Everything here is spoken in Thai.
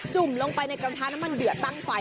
ุ่มลงไปในกระทะน้ำมันเดือดตั้งไฟ